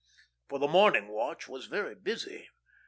For the morning watch was very busy.